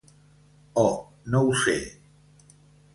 Oh, no ho sé.